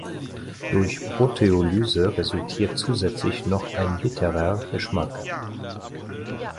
Durch Proteolyse resultiert zusätzlich noch ein bitterer Geschmack.